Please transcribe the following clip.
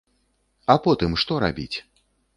А потым што рабіць?